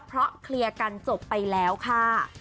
เพราะเคลียร์กันจบไปแล้วค่ะ